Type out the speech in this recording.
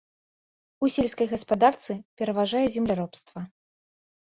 У сельскай гаспадарцы пераважае земляробства.